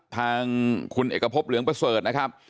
ทางคุณเอกพบเหลืองประเสริฐนะครับ